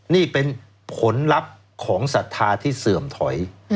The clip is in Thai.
นี่เป็นผลลัพธ์ของศรัทธาที่เสื่อมถอย